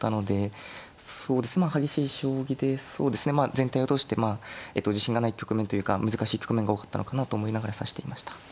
全体を通して自信がない局面というか難しい局面が多かったのかなと思いながら指していました。